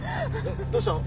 どうしたの？